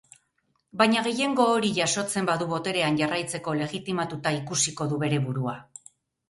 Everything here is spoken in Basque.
Baina gehiengo hori jasotzen badu boterean jarraitzeko legitimatuta ikusiko du bere burua.